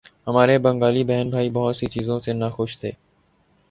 ہمارے بنگالی بہن بھائی بہت سی چیزوں سے ناخوش تھے۔